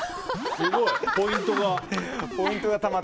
すごい、ポイントが。